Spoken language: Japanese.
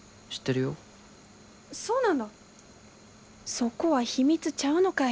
そこは秘密ちゃうのかい！